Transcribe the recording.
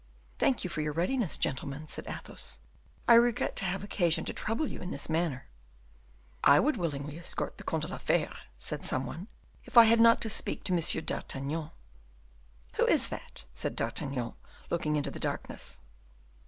"Thank you for your readiness, gentlemen," said Athos; "I regret to have occasion to trouble you in this manner." "I would willingly escort the Comte de la Fere," said some one, "if I had not to speak to Monsieur d'Artagnan." "Who is that?" said D'Artagnan, looking into the darkness.